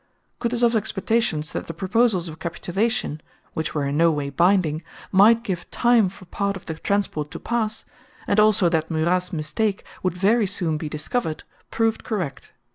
Kutúzov's expectations that the proposals of capitulation (which were in no way binding) might give time for part of the transport to pass, and also that Murat's mistake would very soon be discovered, proved correct.